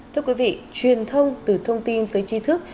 thưa quý vị truyền thông từ thông tin tới chi thức